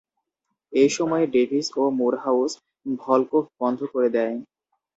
এই সময়ে ডেভিস এবং মুরহাউস ভলকোভ বন্ধ করে দেয়।